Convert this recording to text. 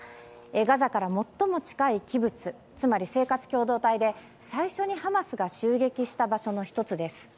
ガザから最も近いキブツつまり生活共同体で最初にハマスが襲撃した場所の１つです。